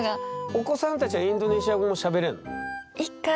お子さんたちはインドネシア語もしゃべれんの？